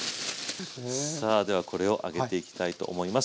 さあではこれを揚げていきたいと思います。